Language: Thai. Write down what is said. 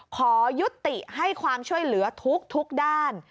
ขอยุติให้ความช่วยเหลือทุกด้าน